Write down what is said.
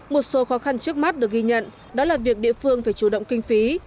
một số khó khăn trước mắt được ghi nhận đó là việc địa phương phải chủ động kinh phí